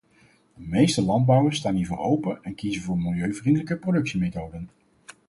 De meeste landbouwers staan hiervoor open en kiezen voor milieuvriendelijke productiemethoden.